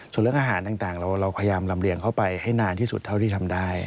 ส่วนเรื่องอาหารต่างเราพยายามลำเรียงเข้าไปให้นานที่สุดเท่าที่ทำได้